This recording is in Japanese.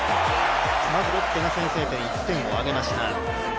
まずロッテが先制点、１点を挙げました。